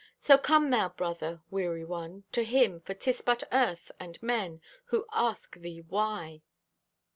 So come thou brother, weary one, To Him, for 'tis but Earth and men Who ask thee WHY.